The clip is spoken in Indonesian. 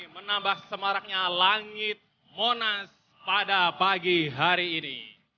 menambah semaraknya langit monas pada pagi hari ini